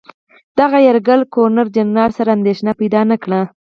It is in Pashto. دغه یرغل ګورنرجنرال سره اندېښنه پیدا نه کړه.